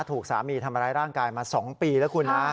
ถูกสามีทำร้ายร่างกายมา๒ปีแล้วคุณนะ